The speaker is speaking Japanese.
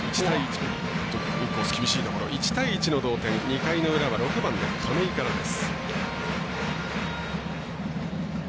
１対１の同点、２回の裏は６番の亀井からです。